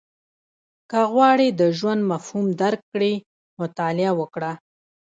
• که غواړې د ژوند مفهوم درک کړې، مطالعه وکړه.